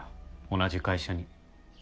同じ会社に。